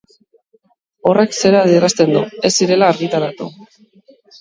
Horrek zera adierazten du: ez zirela argitaratu.